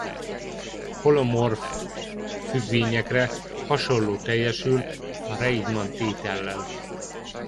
Holomorf függvényekre hasonló teljesül a Riemann-tétellel.